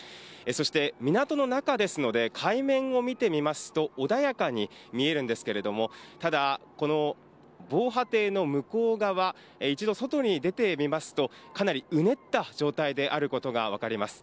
そして港の中ですので、海面を見てみますと、穏やかに見えるんですけれども、ただ、この防波堤の向こう側、一度外に出てみますと、かなりうねった状態であることが分かります。